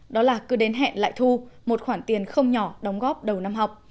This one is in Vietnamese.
đó là cứ đến hẹn lại thu một khoản tiền không nhỏ đóng góp đầu năm học